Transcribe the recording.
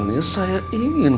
karena kita sudah menyusir